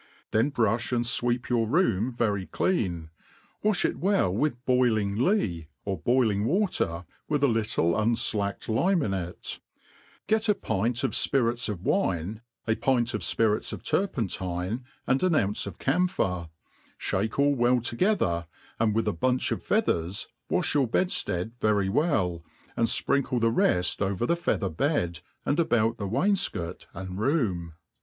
Then brufh and fweep your room very clean, wafli it well with boiling lee, or boiling water, with a little un packed lime in it ; get a pint of fpirits of vA^ine, a pint of fpi rits of turpentine, and an ounce of camphor, (hake all 'well tpgether, and with a bunch of feathers wafti your bedfltad very well, and fprinkle the reft over the feather bed, and about the wainfcot and room.